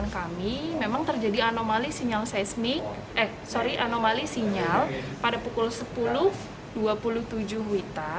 kami memang terjadi anomali sinyal seismik eh sorry anomali sinyal pada pukul sepuluh dua puluh tujuh wita